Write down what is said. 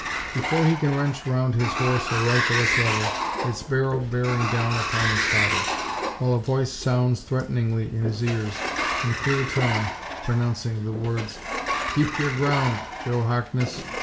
Before he can wrench round his horse a rifle is levelled, its barrel bearing upon his body; while a voice sounds threateningly in his ears, in clear tone, pronouncing the words, "Keep yur ground, Joe Harkness!